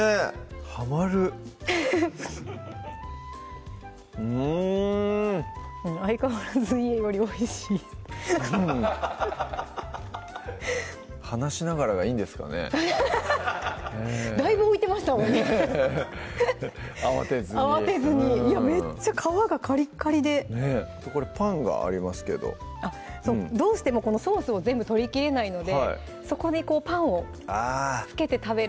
はまるうん相変わらず家よりおいしい話しながらがいいんですかねだいぶ見てましたもんね慌てずに慌てずにめっちゃ皮がカリカリでパンがありますけどどうしてもこのソースを全部取りきれないのでそこでパンを付けて食べる